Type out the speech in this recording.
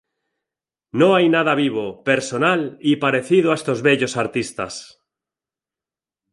No hay nada vivo, personal y parecido a estos bellos artistas.